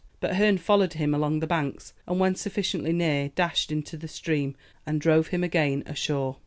But Herne followed him along the banks, and when sufficiently near, dashed into the stream, and drove him again ashore.